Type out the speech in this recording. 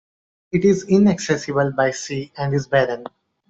It is inaccessible by sea and is barren.